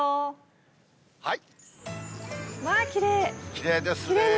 きれいですね。